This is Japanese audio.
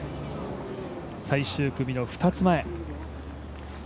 最終組の２つ前。